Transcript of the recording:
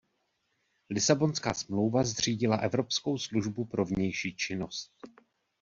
Lisabonská smlouva zřídila Evropskou službu pro vnější činnost.